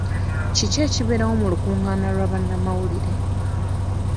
Kiki ekibeerawo mu lukungaana lwa bannamawulire?